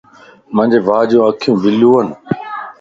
مانجي ڀاجو اکيون بلوون